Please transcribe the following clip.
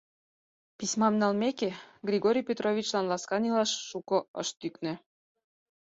Письмам налмеке, Григорий Петровичлан ласкан илаш шуко ыш тӱкнӧ.